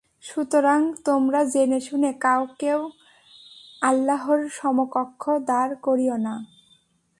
সুতরাং তোমরা জেনেশুনে কাউকেও আল্লাহর সমকক্ষ দাঁড় করিয়ো না।